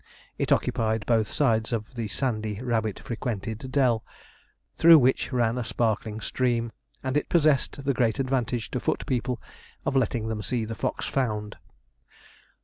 It occupied both sides of the sandy, rabbit frequented dell, through which ran a sparkling stream, and it possessed the great advantage to foot people of letting them see the fox found.